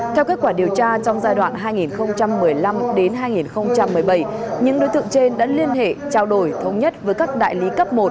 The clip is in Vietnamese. theo kết quả điều tra trong giai đoạn hai nghìn một mươi năm hai nghìn một mươi bảy những đối tượng trên đã liên hệ trao đổi thống nhất với các đại lý cấp một